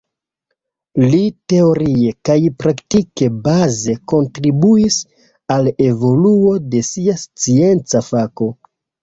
Li teorie kaj praktike baze kontribuis al evoluo de sia scienca fako.